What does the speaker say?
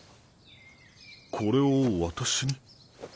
これを私に？